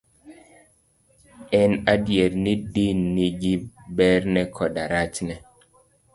En adier ni din nigi berne koda rachne.